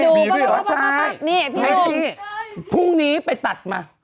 นี่มีด้วยเหรอใช่ใช่พี่หนุ่มนี่พี่หนุ่มนี่พรุ่งนี้ไปตัดมา